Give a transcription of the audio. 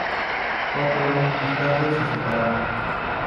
Cuatro años más tarde se separaron.